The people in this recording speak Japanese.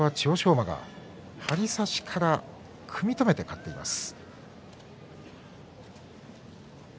馬が張り差しから組み止めて勝っています。